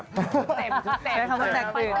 ก็แตกตื่น